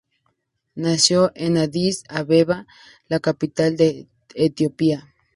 Nació en Adís Abeba, la capital de Etiopía.